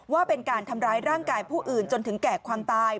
ว่าเป็นการทำร้ายร่างกายผู้อื่นจนถึงแก่ความตาย